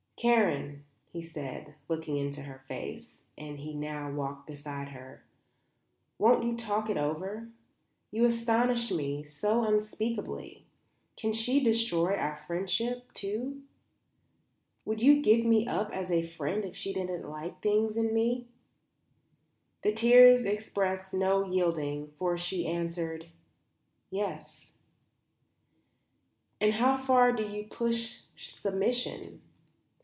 "Karen," he said, looking into her face as he now walked beside her; "won't you talk it over? You astonish me so unspeakably. Can she destroy our friendship, too? Would you give me up as a friend if she didn't like things in me?" The tears expressed no yielding, for she answered "Yes." "And how far do you push submission?